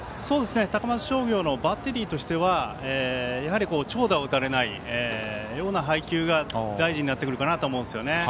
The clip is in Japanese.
高松商業のバッテリーとしては長打を打たれないような配球が大事になってくるかなと思います。